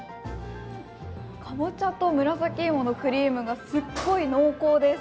かぼちゃと紫いものクリームがすっごい濃厚です。